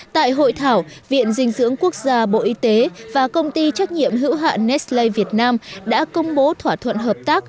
tại hội thảo viện dinh dưỡng quốc gia bộ y tế và công ty trách nhiệm hữu hạn neslay việt nam đã công bố thỏa thuận hợp tác